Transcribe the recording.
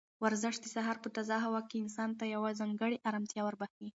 ورزش د سهار په تازه هوا کې انسان ته یوه ځانګړې ارامتیا وربښي.